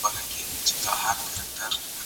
قلمان د زده کوونکي له خوا پاک کيږي،